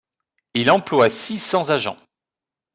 Il emploie six cents agents.